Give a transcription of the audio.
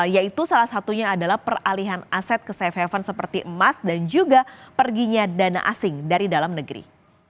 yaitu salah satunya adalah peralihan aset ke safe haven seperti emas dan juga perginya dana asing dari dalam negeri